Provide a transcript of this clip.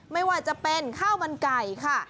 ไม่ว่าจะเป็นข้าวมันไก่ค่ะ